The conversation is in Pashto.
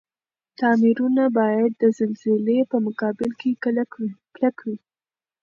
تعميرونه باید د زلزلي په مقابل کي کلک وی.